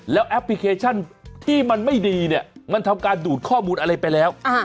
แล้วแอปพลิเคชันที่มันไม่ดีเนี่ยมันทำการดูดข้อมูลอะไรไปแล้ว